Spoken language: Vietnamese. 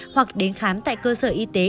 hoặc đến khám tại cơ sở y tế